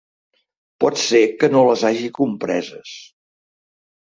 Pot ser que no les hagi compreses.